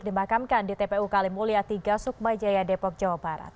dimakamkan di tpu kalimulia tiga sukma jaya depok jawa barat